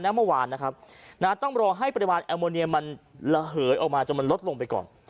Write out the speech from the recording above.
เมื่อวานนะครับต้องรอให้ปริมาณแอลโมเนียมันระเหยออกมาจนมันลดลงไปก่อน